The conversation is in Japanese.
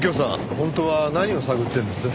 本当は何を探ってるんです？